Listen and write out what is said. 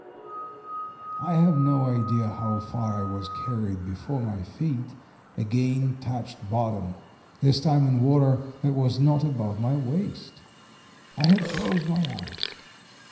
"I have no idea how far I was carried before my feet again touched bottom, this time in water that was not above my waist. I had closed my eyes.